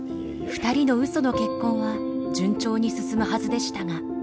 ２人の嘘の結婚は順調に進むはずでしたが。